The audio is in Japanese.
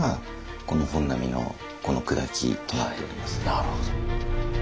なるほど。